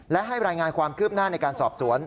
และให้รายงานความคืบหน้าในการสอบสวน